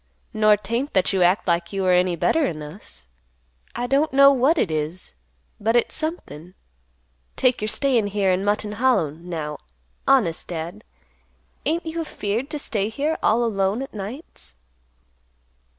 Nor, 'taint that you act like you were any better'n us. I don't know what it is, but it's somethin'. Take your stayin' here in Mutton Hollow, now; honest, Dad, ain't you afear'd to stay here all alone at nights?"